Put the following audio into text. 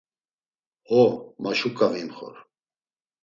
Ho, ma şuǩa vimxor.